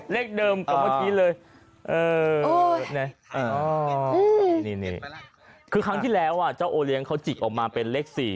เลขเดิมกับเมื่อกี้เลยนี่คือครั้งที่แล้วเจ้าโอเลี้ยงเขาจิกออกมาเป็นเลข๔